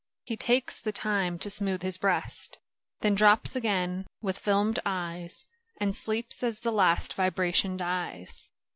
He takes the time to smooth his breast. Then drops again with fdmed eyes, And sleeps as the last vibration dies.